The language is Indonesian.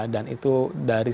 dan itu dari